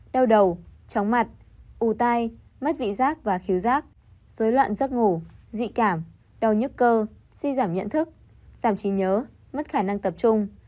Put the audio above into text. đau đầu chóng mặt ù tai mất vị giác và khiếu rác dối loạn giấc ngủ dị cảm đau nhức cơ suy giảm nhận thức giảm trí nhớ mất khả năng tập trung